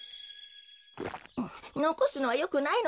のこすのはよくないのです。